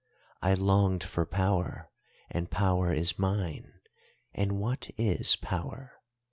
I longed for power, and power is mine, and what is power?